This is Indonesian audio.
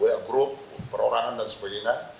war group perorangan dan sebagainya